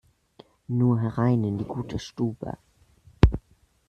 Nur herein in die gute Stube!